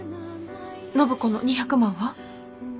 暢子の２００万は？